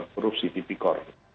korupsi di bikor